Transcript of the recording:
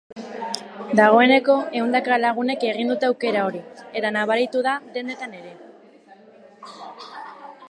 Dagoeneko ehundaka lagunek egin dute aukera hori, eta nabaritu da dendetan ere.